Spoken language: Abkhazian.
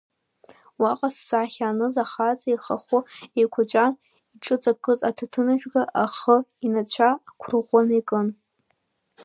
Уаҟа зсахьа аныз ахаҵа ихахәы еиқәаҵәан, иҿыҵакыз аҭаҭынжәга ахы инацәа ақәырӷәӷәаны икын.